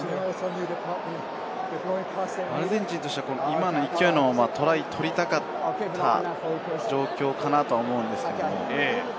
アルゼンチンとしては今の勢いのままトライを取りたかった状況かなと思うんですよね。